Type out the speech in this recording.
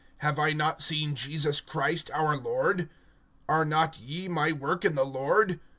Have I not seen Jesus Christ our Lord? Are not ye my work in the Lord?